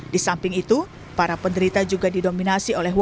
di samping itu para penderita juga didominasi oleh who